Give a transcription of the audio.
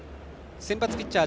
先発ピッチャー